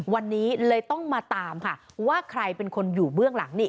วันนี้เลยต้องมาตามค่ะว่าใครเป็นคนอยู่เบื้องหลังนี่